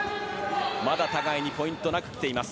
まだ、互いにポイントなく来ています。